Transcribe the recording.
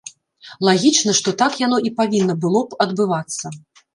Лагічна, што так яно і павінна было б адбывацца.